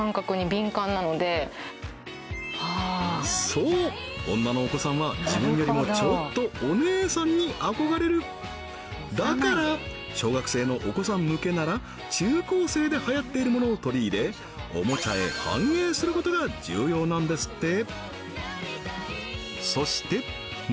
そう女のお子さんは自分よりもだから小学生のお子さん向けなら中高生ではやっているものを取り入れおもちゃへ反映することが重要なんですって